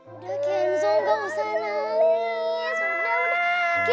udah kenzo nggak usah nangis